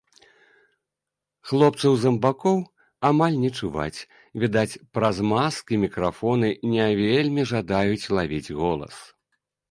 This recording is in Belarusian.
Хлопцаў-замбакоў амаль не чуваць, відаць, праз маскі мікрафоны не вельмі жадаюць лавіць голас.